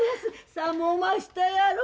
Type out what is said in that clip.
寒おましたやろ。